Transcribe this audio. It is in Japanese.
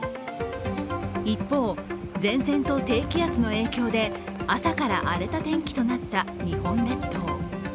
一方、前線と低気圧の影響で朝から荒れた天気となった日本列島。